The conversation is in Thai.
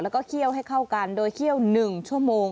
แล้วก็เคี่ยวให้เข้ากันโดยเคี่ยว๑ชั่วโมง